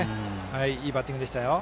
いいバッティングでしたよ。